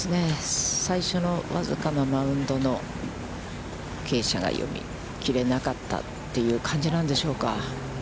最初の僅かなマウンドの傾斜が読み切れなかったという感じなんでしょうか。